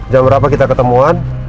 jam berapa kita ketemuan